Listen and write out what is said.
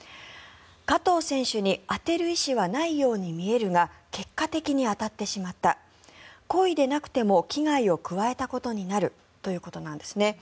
加藤選手に当てる意思はないように見えるが結果的に当たってしまった故意でなくても危害を加えたことになるということなんですね。